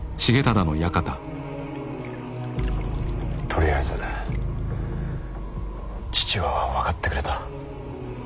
とりあえず父は分かってくれた。